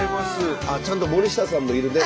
ちゃんと森下さんもいるね。